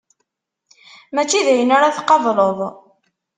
Mačči d ayen ara tqableḍ.